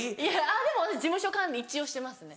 でも事務所管理一応してますね。